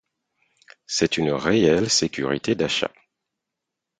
C'est une réelle sécurité d'achat.